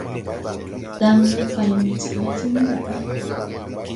Ɗaŋ: « Pay mo tiʼ la diŋ ma ɓi.